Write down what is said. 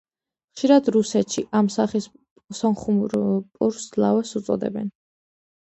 ხშირად, რუსეთში, ამ სახის სომხურ პურს ლავაშს უწოდებენ.